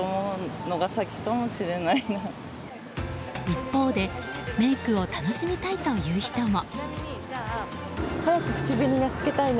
一方で、メイクを楽しみたいという人も。